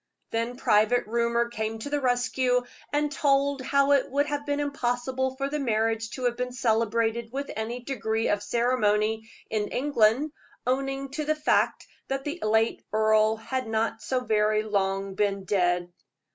Then private rumor came to the rescue, and told how it would have been impossible for the marriage to have been celebrated with any degree of ceremony in England, owing to the fact that the late earl had not so very long been dead.